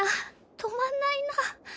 止まんないな。